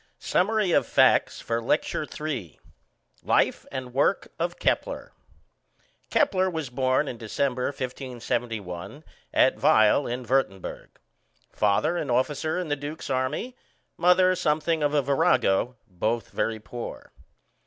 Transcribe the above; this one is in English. SUMMARY OF FACTS FOR LECTURE III Life and work of Kepler. Kepler was born in December, 1571, at Weil in Würtemberg. Father an officer in the duke's army, mother something of a virago, both very poor.